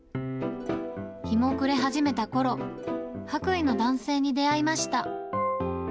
日も暮れ始めたころ、白衣の男性に出会いました。